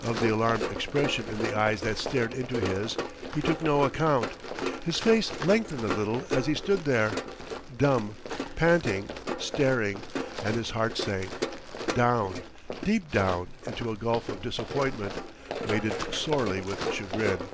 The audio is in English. Of the alarmed expression in the eyes that stared into his, he took no account. His face lengthened a little as he stood there, dumb, panting, staring; and his heart sank, down, deep down into a gulf of disappointment, weighted sorely with chagrin.